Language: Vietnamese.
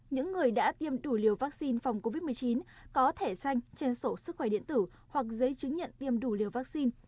những người đã tiêm đủ liều vaccine phòng covid một mươi chín có thẻ xanh trên sổ sức khỏe điện tử hoặc giấy chứng nhận tiêm đủ liều vaccine